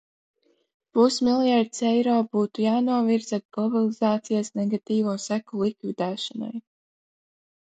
Pusmiljards eiro būtu jānovirza globalizācijas negatīvo seko likvidēšanai.